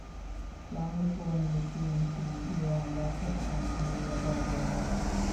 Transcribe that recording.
Lang was born in Lucene to Johann Jakob and Maria Barbara Meyer.